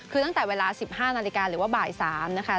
คือตั้งแต่เวลา๑๕นาฬิกาหรือว่าบ่าย๓นะคะ